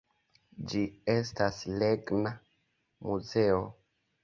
Ĝi estas regna muzeo.